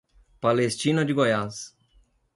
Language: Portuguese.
Palestina de Goiás